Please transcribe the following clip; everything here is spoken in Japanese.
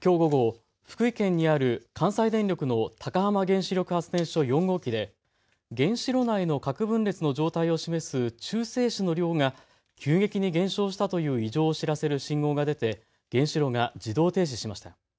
きょう午後、福井県にある関西電力の高浜原子力発電所４号機で原子炉内の核分裂の状態を示す中性子の量が急激に減少したという異常を知らせる信号が出て原子炉が自動停止しました。